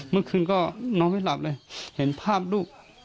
เมื่อคืนก็นอนไม่หลับเลยเห็นภาพลูก